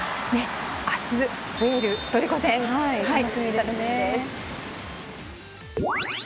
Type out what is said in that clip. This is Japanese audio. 明日、プエルトリコ戦楽しみです。